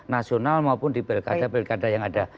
nasional maupun di belkada belkada yang ada